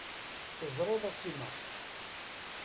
Teẓriḍ a Sima.